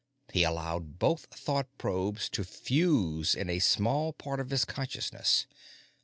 He allowed both thought probes to fuse in a small part of his consciousness.